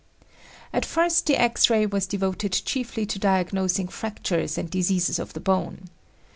At first the X ray was devoted chiefly to diagnosing fractures and diseases of the bone.